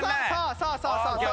そうそうそうそう。